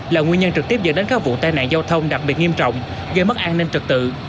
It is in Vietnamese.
là nguyên nhân trực tiếp dẫn đến các vụ tai nạn giao thông đặc biệt nghiêm trọng gây mất an ninh trật tự